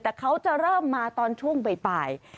แต่เขาจะเริ่มมาตอนช่วงบ่าย